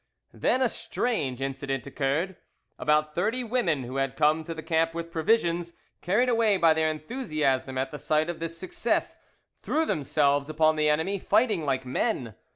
Then a strange incident occurred. About thirty women who had come to the camp with provisions, carried away by their enthusiasm at the sight of this success, threw themselves upon the enemy, fighting like men.